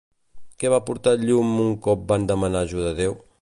Què va portar llum un cop van demanar ajuda a Déu?